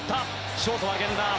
ショート、源田。